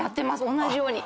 同じように。